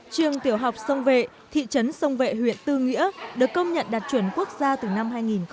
trường tiểu học sông vệ thị trấn sông vệ huyện tư nghĩa được công nhận đạt chuẩn quốc gia từ năm hai nghìn một mươi